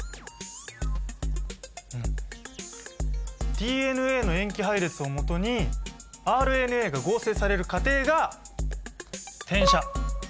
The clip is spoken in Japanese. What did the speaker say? ＤＮＡの塩基配列をもとにＲＮＡが合成される過程が「転写」。